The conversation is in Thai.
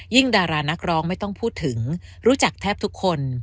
ดารานักร้องไม่ต้องพูดถึงรู้จักแทบทุกคน